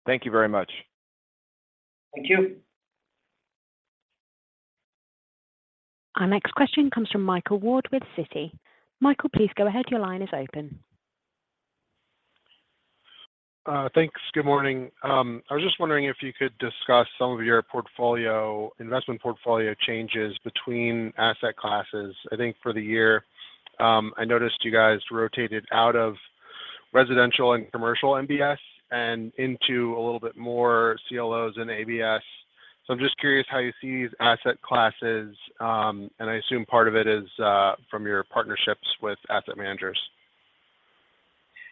[SPEAKER 8] Thank you very much.
[SPEAKER 3] Thank you.
[SPEAKER 1] Our next question comes from Michael Ward with Citi. Michael, please go ahead. Your line is open.
[SPEAKER 9] Thanks. Good morning. I was just wondering if you could discuss some of your portfolio, investment portfolio changes between asset classes. I think for the year, I noticed you guys rotated out of residential and commercial MBS and into a little bit more CLOs and ABS. I'm just curious how you see these asset classes, and I assume part of it is from your partnerships with asset managers.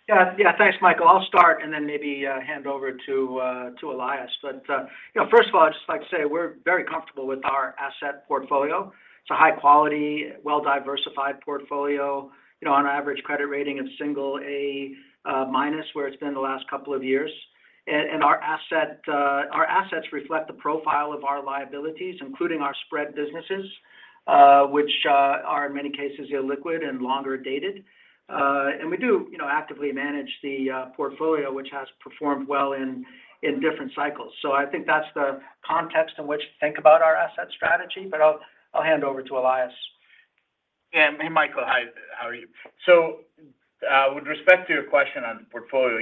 [SPEAKER 3] Yeah. Yeah. Thanks, Michael. I'll start and then maybe hand over to Elias. You know, first of all, I'd just like to say we're very comfortable with our asset portfolio. It's a high quality, well-diversified portfolio, you know, on average credit rating of single A-, where it's been the last couple of years. Our assets reflect the profile of our liabilities, including our spread businesses, which are in many cases illiquid and longer-dated. We do, you know, actively manage the portfolio, which has performed well in different cycles. I think that's the context in which to think about our asset strategy. I'll hand over to Elias.
[SPEAKER 4] Yeah. Hey, Michael. Hi. How are you? With respect to your question on portfolio,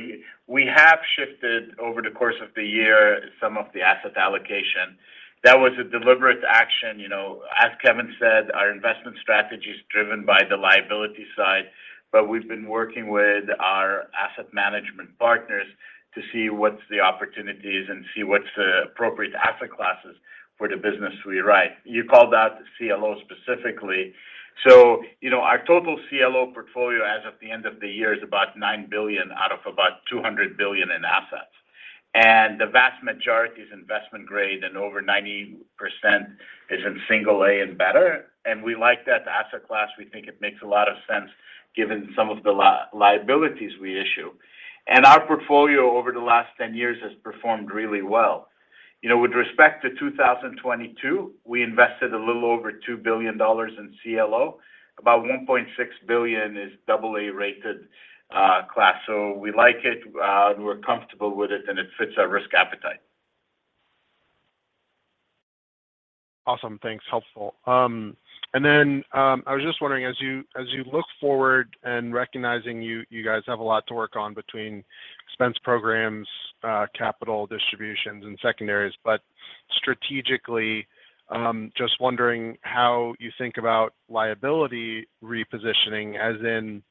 [SPEAKER 4] we have shifted over the course of the year some of the asset allocation. That was a deliberate action. You know, as Kevin said, our investment strategy is driven by the liability side, but we've been working with our asset management partners to see what's the opportunities and see what's the appropriate asset classes for the business we write. You called out CLO specifically. You know, our total CLO portfolio as of the end of the year is about $9 billion out of about $200 billion in assets. The vast majority is investment-grade, and over 90% is in single A and better. We like that asset class. We think it makes a lot of sense. Given some of the liabilities we issue. Our portfolio over the last 10 years has performed really well. You know, with respect to 2022, we invested a little over $2 billion in CLO. About $1.6 billion is AA rated class. We like it, we're comfortable with it, and it fits our risk appetite.
[SPEAKER 9] Awesome. Thanks. Helpful. I was just wondering, as you look forward and recognizing you guys have a lot to work on between expense programs, capital distributions and secondaries. Strategically, just wondering how you think about liability repositioning as in.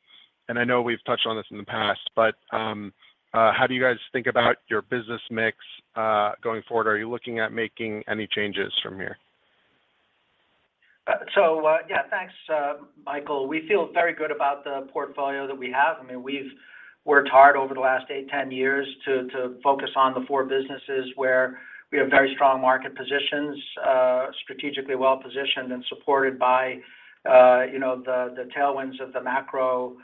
[SPEAKER 9] I know we've touched on this in the past, but how do you guys think about your business mix going forward? Are you looking at making any changes from here?
[SPEAKER 3] Yeah, thanks, Michael. We feel very good about the portfolio that we have. I mean, we've worked hard over the last eight, 10 years to focus on the four businesses where we have very strong market positions, strategically well-positioned and supported by, you know, the tailwinds of the macro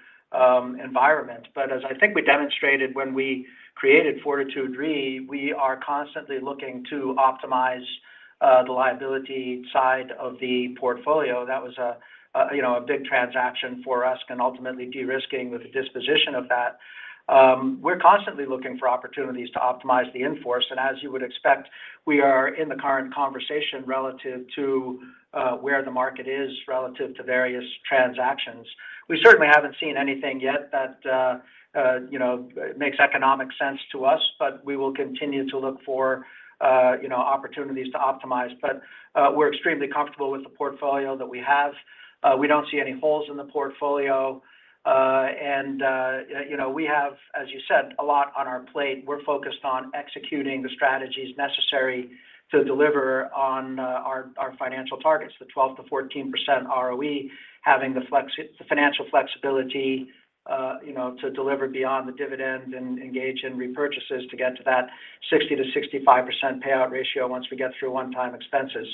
[SPEAKER 3] environment. As I think we demonstrated when we created Fortitude Re, we are constantly looking to optimize the liability side of the portfolio. That was a, you know, a big transaction for us and ultimately de-risking with the disposition of that. We're constantly looking for opportunities to optimize the in-force, and as you would expect, we are in the current conversation relative to where the market is relative to various transactions. We certainly haven't seen anything yet that, you know, makes economic sense to us, but we will continue to look for, you know, opportunities to optimize. We're extremely comfortable with the portfolio that we have. We don't see any holes in the portfolio. You know, we have, as you said, a lot on our plate. We're focused on executing the strategies necessary to deliver on our financial targets, the 12%-14% ROE, having the financial flexibility, you know, to deliver beyond the dividend and engage in repurchases to get to that 60%-65% payout ratio once we get through one-time expenses.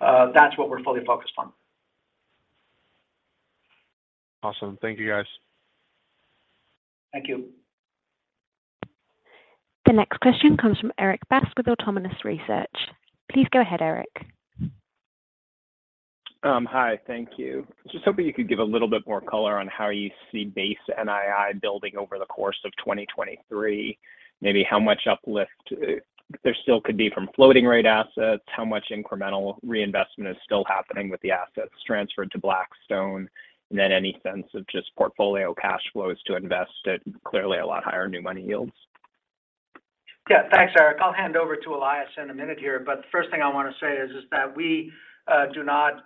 [SPEAKER 3] That's what we're fully focused on.
[SPEAKER 9] Awesome. Thank you, guys.
[SPEAKER 3] Thank you.
[SPEAKER 1] The next question comes from Erik Bass with Autonomous Research. Please go ahead, Erik.
[SPEAKER 10] Hi. Thank you. Just hoping you could give a little bit more color on how you see base NII building over the course of 2023, how much uplift there still could be from floating rate assets, how much incremental reinvestment is still happening with the assets transferred to Blackstone, and any sense of just portfolio cash flows to invest at clearly a lot higher new money yields.
[SPEAKER 3] Yeah. Thanks, Erik. I'll hand over to Elias in a minute here. The first thing I want to say is that we do not,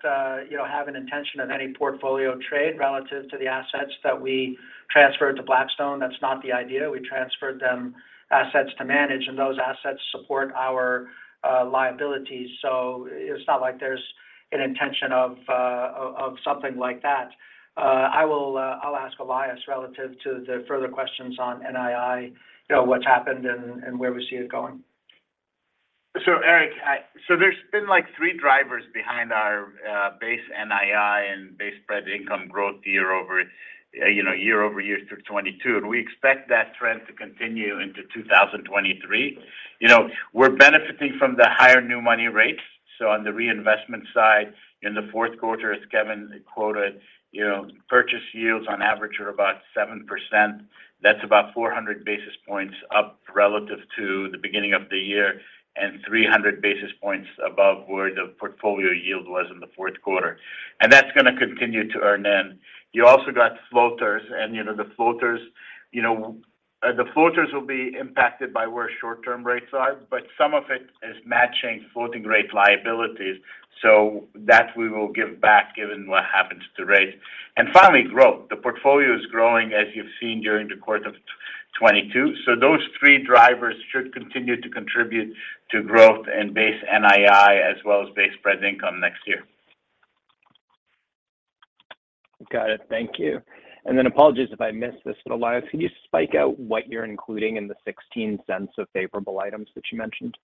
[SPEAKER 3] you know, have an intention of any portfolio trade relative to the assets that we transferred to Blackstone. That's not the idea. We transferred them assets to manage, and those assets support our liabilities. It's not like there's an intention of something like that. I will, I'll ask Elias relative to the further questions on NII, you know, what's happened and where we see it going.
[SPEAKER 4] Erik, there's been, like, three drivers behind our base NII and base spread income growth year-over-year through 2022, and we expect that trend to continue into 2023. You know, we're benefiting from the higher new money rates. On the reinvestment side, in the fourth quarter, as Kevin quoted, you know, purchase yields on average are about 7%. That's about 400 basis points up relative to the beginning of the year and 300 basis points above where the portfolio yield was in the fourth quarter. That's gonna continue to earn in. You also got floaters. You know, the floaters will be impacted by where short-term rates are, but some of it is matching floating rate liabilities. That we will give back given what happens to rates. Finally, growth. The portfolio is growing as you've seen during the course of 2022. Those three drivers should continue to contribute to growth in base NII as well as base spread income next year.
[SPEAKER 10] Got it. Thank you. Apologies if I missed this, Elias, can you spike out what you're including in the $0.16 of favorable items that you mentioned?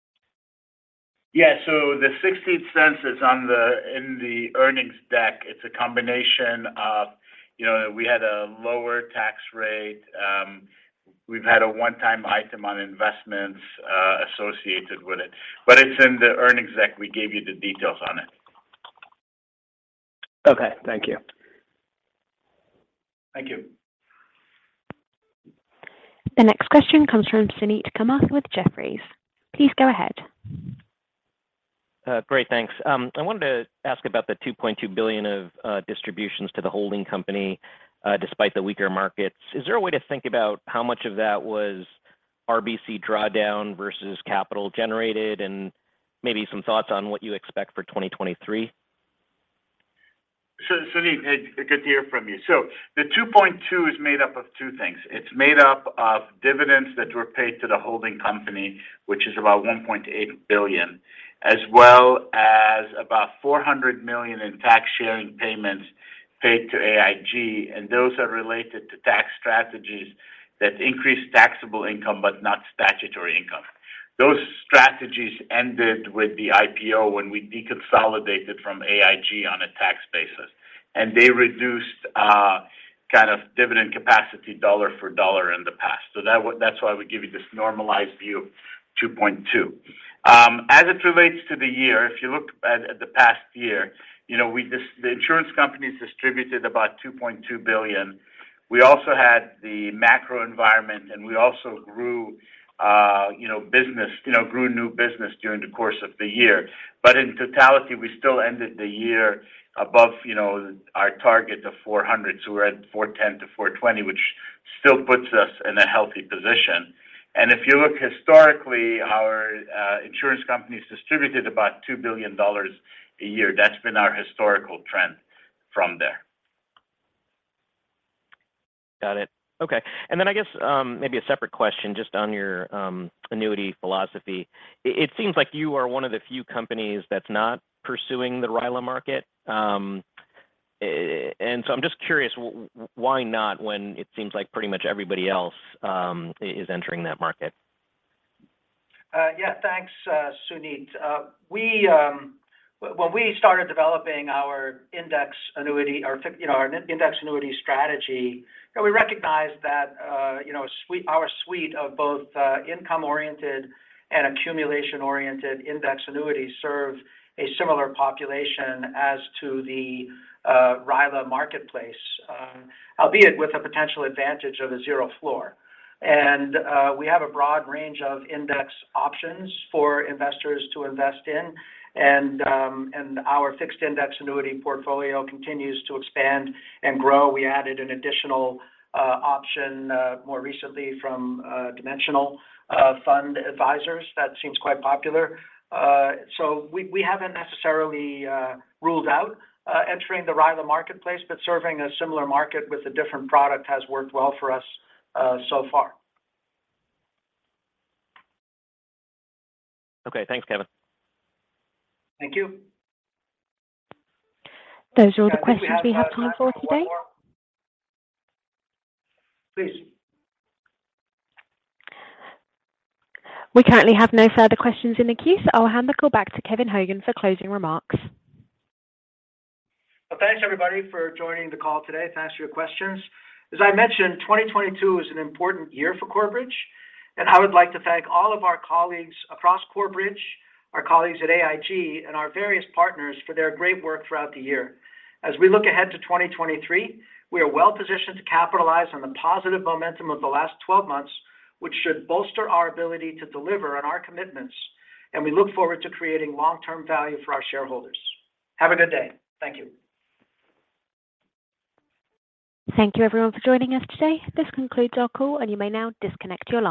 [SPEAKER 4] Yeah. The $0.16 is in the earnings deck. It's a combination of, you know, we had a lower tax rate. We've had a one-time item on investments associated with it. It's in the earnings deck. We gave you the details on it.
[SPEAKER 10] Okay. Thank you.
[SPEAKER 3] Thank you.
[SPEAKER 1] The next question comes from Suneet Kamath with Jefferies. Please go ahead.
[SPEAKER 11] Great. Thanks. I wanted to ask about the $2.2 billion of distributions to the holding company, despite the weaker markets. Is there a way to think about how much of that was RBC drawdown versus capital generated? Maybe some thoughts on what you expect for 2023.
[SPEAKER 4] Suneet, good to hear from you. The $2.2 is made up of two things. It's made up of dividends that were paid to the holding company, which is about $1.8 billion, as well as about $400 million in tax sharing payments paid to AIG. Those are related to tax strategies that increase taxable income but not statutory income. Those strategies ended with the IPO when we deconsolidated from AIG on a tax basis, they reduced kind of dividend capacity dollar for dollar in the past. That's why we give you this normalized view, $2.2 billion. As it relates to the year, if you look at the past year, you know, the insurance companies distributed about $2.2 billion. We also had the macro environment, we also grew new business during the course of the year. In totality, we still ended the year above, you know, our target of $400 million, we're at $410 million-$420 million, which still puts us in a healthy position. If you look historically, our insurance companies distributed about $2 billion a year. That's been our historical trend from there.
[SPEAKER 11] Got it. Okay. I guess, maybe a separate question just on your annuity philosophy. It seems like you are one of the few companies that's not pursuing the RILA market. I'm just curious, why not when it seems like pretty much everybody else is entering that market?
[SPEAKER 3] Yeah. Thanks, Suneet. We, when we started developing our index annuity or you know, our index annuity strategy, you know, we recognized that, you know, suite, our suite of both income-oriented and accumulation-oriented index annuities serve a similar population as to the RILA marketplace, albeit with a potential advantage of a zero floor. We have a broad range of index options for investors to invest in. Our fixed index annuity portfolio continues to expand and grow. We added an additional option more recently from Dimensional Fund Advisors that seems quite popular. We, we haven't necessarily ruled out entering the RILA marketplace, but serving a similar market with a different product has worked well for us so far.
[SPEAKER 11] Okay. Thanks, Kevin.
[SPEAKER 3] Thank you.
[SPEAKER 1] Those are all the questions we have time for today.
[SPEAKER 3] Please.
[SPEAKER 1] We currently have no further questions in the queue, so I'll hand the call back to Kevin Hogan for closing remarks.
[SPEAKER 3] Well, thanks everybody for joining the call today to ask your questions. As I mentioned, 2022 is an important year for Corebridge, and I would like to thank all of our colleagues across Corebridge, our colleagues at AIG, and our various partners for their great work throughout the year. As we look ahead to 2023, we are well-positioned to capitalize on the positive momentum of the last 12 months, which should bolster our ability to deliver on our commitments, and we look forward to creating long-term value for our shareholders. Have a good day. Thank you.
[SPEAKER 1] Thank you everyone for joining us today. This concludes our call. You may now disconnect your line.